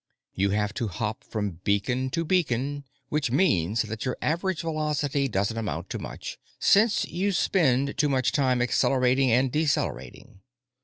You have to hop from beacon to beacon, which means that your average velocity doesn't amount to much, since you spend too much time accelerating and decelerating.